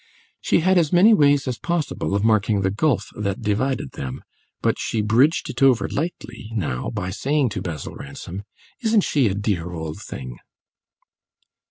She had as many ways as possible of marking the gulf that divided them; but she bridged it over lightly now by saying to Basil Ransom; "Isn't she a dear old thing?"